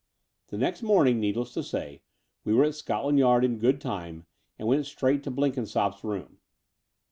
The next morning, needless to say, we were at Scotland Yard in good time, and went straight to Blenkinsopp's room.